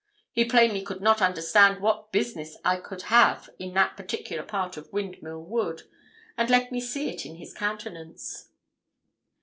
He plainly could not understand what business I could have in that particular part of the Windmill Wood, and let me see it in his countenance.